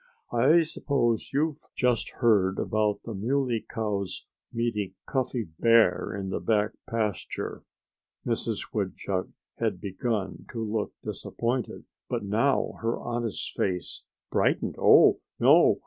"I suppose you've just heard about the Muley Cow's meeting Cuffy Bear in the back pasture." Mrs. Woodchuck had begun to look disappointed. But now her honest face brightened. "Oh, no!